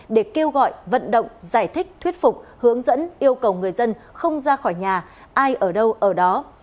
để kêu gọi vận động giải thích thuyết phục hướng dẫn yêu cầu người dân không ra khỏi nhà ai ở đâu ở đó